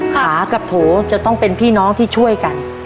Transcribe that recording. ขากับโถจะต้องเป็นพี่น้องที่ช่วยกัน